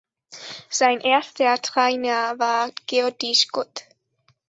Sein erster Trainer war Geordie Scott.